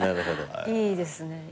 いいですね。